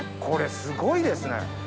これすごいですね。